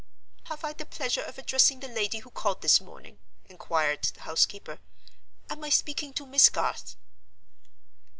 "Have I the pleasure of addressing the lady who called this morning?" inquired the housekeeper. "Am I speaking to Miss Garth?"